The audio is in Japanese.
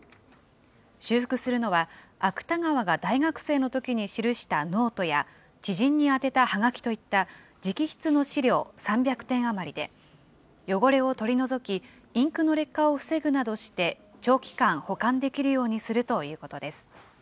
修復するのは、芥川が大学生のときに記したノートや、知人に宛てたはがきといった、直筆の資料３００点余りで、汚れを取り除き、インクの劣化を防ぐなどして、長期間保管できるようにするということです。